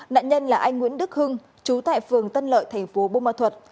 nạn nhân là anh nguyễn đức hưng chú tại phường tân lợi thành phố bù ma thuật